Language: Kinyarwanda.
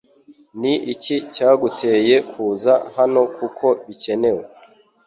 Ni iki cyaguteye kuza hanokuko bikenewe